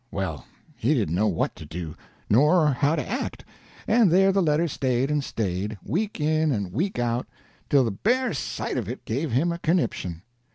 Well, he didn't know what to do, nor how to act, and there the letter stayed and stayed, week in and week out, till the bare sight of it gave him a conniption.